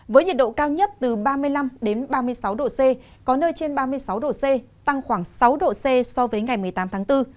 với nhiệt độ cao nhất từ ba mươi năm ba mươi sáu độ c có nơi trên ba mươi sáu độ c tăng khoảng sáu độ c so với ngày một mươi tám tháng bốn